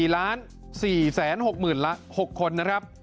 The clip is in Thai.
๔๔๖๐๐๐ละ๖คนนะครับ